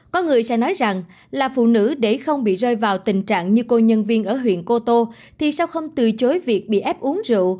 có người sẽ nói rằng là phụ nữ để không bị rơi vào tình trạng như cô nhân viên ở huyện cô tô thì sẽ không từ chối việc bị ép uống rượu